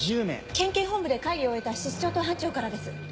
県警本部で会議を終えた室長と班長からです。